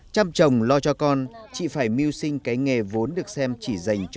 chăm chồng lo cho con chị phải miêu sinh cái nghề vốn được xem chỉ dành cho